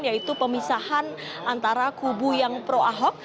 yaitu pemisahan antara kubu yang pro ahok